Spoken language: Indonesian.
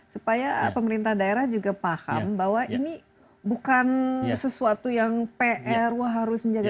supaya pemerintah daerah juga paham bahwa ini bukan sesuatu yang pr harus menjaga